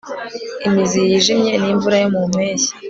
Imizi yijimye nimvura yo mu mpeshyi